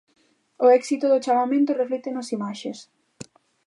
O éxito do chamamento reflícteno as imaxes.